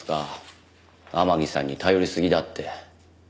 天樹さんに頼りすぎだって。